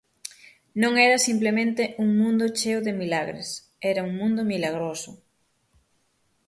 Non era simplemente un mundo cheo de milagres, era un mundo milagroso.